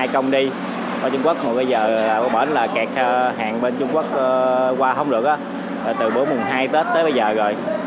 hai cong đi qua trung quốc mà bây giờ bởn là kẹt hàng bên trung quốc qua không được từ buổi mùng hai tết tới bây giờ rồi